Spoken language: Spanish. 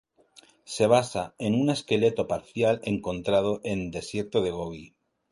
Se basa en un esqueleto parcial encontrado en Desierto de Gobi.